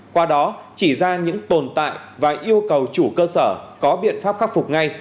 qua đó chỉ ra những tồn tại và yêu cầu chủ cơ sở có biện pháp khắc phục ngay